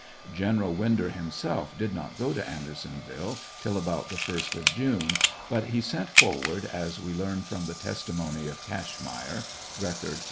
Greneral Winder himself did not go to Andersonviile till about the first of June, but he sent forward, as we learn from the testimony of Cashmeyer, (Record, p.